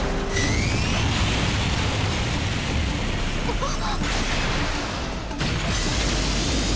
あっ！